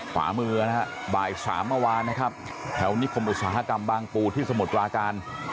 ขวามือนะฮะบ่ายสามเมื่อวานนะครับแถวนิคมอุตสาหกรรมบางปูที่สมุทรปราการ